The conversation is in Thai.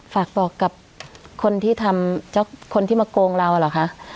ฝากบอกกับคนที่ทำเจ้าคนที่มาโกงเราเหรอคะ